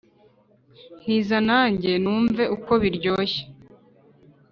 Ntiza nanjye numve uko biryoshye